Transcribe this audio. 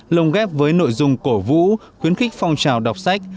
lồng ghép với nội dung cổ vũ khuyến khích phong trào đọc sách